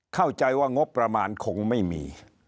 เข้าใจว่างบประมาณคงไม่มี